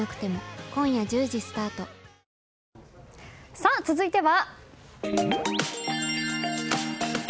さあ、続いては。